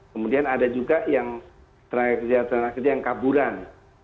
kemudian ada juga yang terakhir terakhir yang kaburan